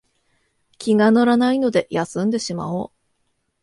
気が乗らないので休んでしまおう